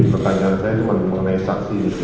pertanyaan saya cuma mengenai saksi